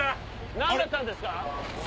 何だったんですか？